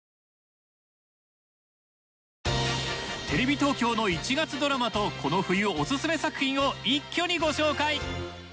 テレビ東京の１月ドラマとこの冬オススメ作品を一挙にご紹介！